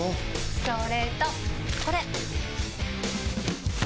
それとこれ！